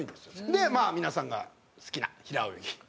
で皆さんが好きな平泳ぎ。